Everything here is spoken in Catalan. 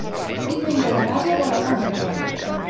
Diumenge na Nàdia vol anar al metge.